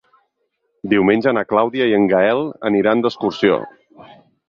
Diumenge na Clàudia i en Gaël aniran d'excursió.